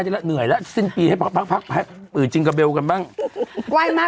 อย่าละเหนื่อยละสิ้นปีให้พักพักเออจิงกะเบลกันบ้างไหว้มาก